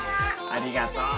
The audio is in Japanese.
ありがとう。